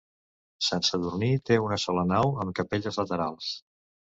Sant Sadurní té una sola nau amb capelles laterals.